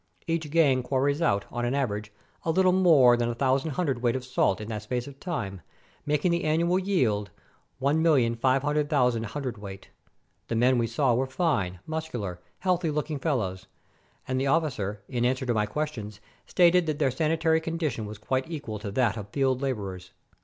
Each gang quarries out, on an average, a little more than 1000 hundredweight of salt in that space of time, making the annual yield 1,500,000 hundredweight! The men we saw were fine, muscular, healthy looking fel lows, and the officer, in answer to my questions, stated that their sanitary condition was quite equal to that of field laborers.